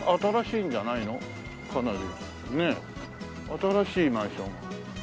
新しいマンション。